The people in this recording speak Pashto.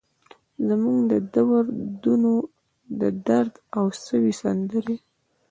زموږ د دور دونو ، ددرد او سوي سندرې